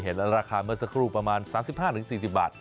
ราคาเมื่อสักครู่ประมาณ๓๕๔๐บาท